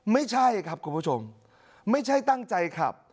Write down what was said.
ไม่ใช่ครับคุณผู้ชมไม่ใช่ตั้งใจขับ